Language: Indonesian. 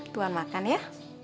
tuhan makan ya